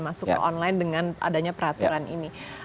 masuk ke online dengan adanya peraturan ini